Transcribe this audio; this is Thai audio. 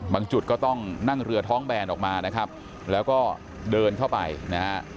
จุดก็ต้องนั่งเรือท้องแบนออกมานะครับแล้วก็เดินเข้าไปนะฮะ